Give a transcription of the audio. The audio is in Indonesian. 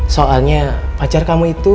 soalnya pacar kamu itu